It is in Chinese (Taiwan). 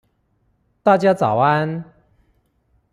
大家早安